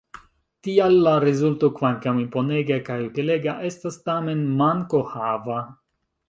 Tial la rezulto, kvankam imponega kaj utilega, estas tamen mankohava.